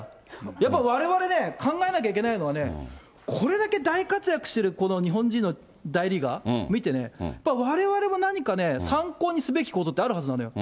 やっぱりわれわれね、考えなきゃいけないのはね、これだけ大活躍してるこの日本人の大リーガー見てね、これはわれわれも何かね、参考にすべきことってあるはずなのよ。